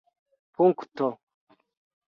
Punkto.